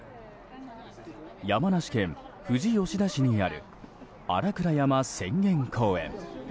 山梨県富士吉田市にある新倉山浅間公園。